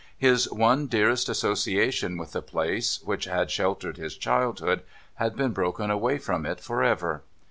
His one dearest association with the place which had sheltered his childhood had been broken away from it for ever.